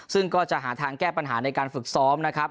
ซึ่งก็จะหาทางแก้ปัญหาในการฝึกซ้อมนะครับ